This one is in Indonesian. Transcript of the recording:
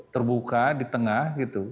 terbuka di tengah